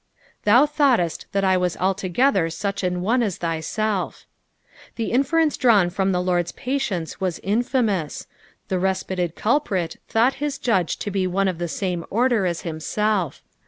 "Thou thoughietl thai I teat altogether inch an otie at thyxlf.'" The inference drawn from the Lord's patience was infamous ; the respited culprit thought hb judge to be one of the same order as himself.